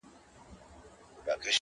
د مرګي هسي نوم بدنام دی!